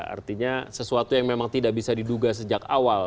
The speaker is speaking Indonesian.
artinya sesuatu yang memang tidak bisa diduga sejak awal